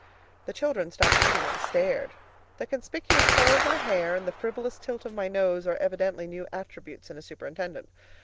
The children stopped eating and stared. The conspicuous color of my hair and the frivolous tilt of my nose are evidently new attributes in a superintendent.